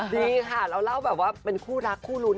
ดีค่ะเราเล่าเป็นคู่รักคู่รุน